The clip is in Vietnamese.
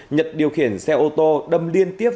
nhật điều khiển xe ô tô đâm liên tiếp